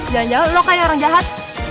jangan jangan lu kan orang jahat